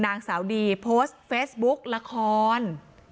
นางสาวดีโพสต์เฟซบุ๊กละคร